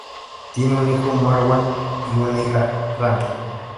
Tiene un hijo, Marwan, y una hija, Rana.